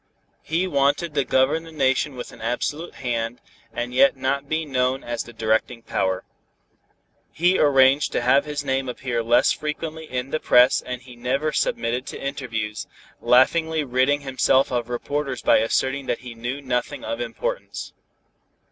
He wanted to govern the Nation with an absolute hand, and yet not be known as the directing power. He arranged to have his name appear less frequently in the press and he never submitted to interviews, laughingly ridding himself of reporters by asserting that he knew nothing of importance.